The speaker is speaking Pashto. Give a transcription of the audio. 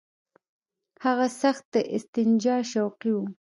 هغه سخت د استنجا شوقي وو.